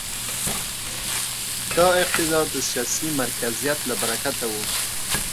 دا اقتدار د سیاسي مرکزیت له برکته و.